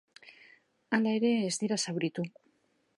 Hala ere, ez dira zauritu.